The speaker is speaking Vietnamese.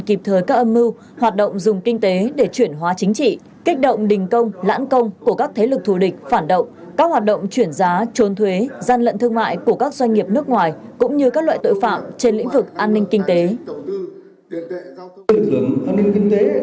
kinh tế để chuyển hóa chính trị kích động đình công lãn công của các thế lực thù địch phản động các hoạt động chuyển giá trôn thuế gian lận thương mại của các doanh nghiệp nước ngoài cũng như các loại tội phạm trên lĩnh vực an ninh kinh tế